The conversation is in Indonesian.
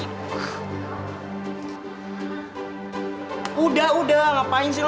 tuh kan bener